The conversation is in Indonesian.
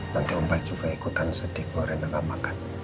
nanti om baik juga ikutan sedih kalau rena gak makan